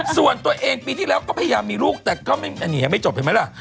ส่วนตัวเองปีที่แล้วก็พยายามมีลูกแต่ก็อันนี้ยังไม่จบเห็นไหมล่ะ